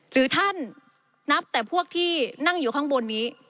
หรือท่านนับแต่พวกที่นั่งอยู่ข้างบนนี้